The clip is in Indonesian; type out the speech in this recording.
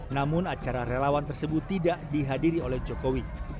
namun acara relawan tersebut tidak dihadiri oleh jokowi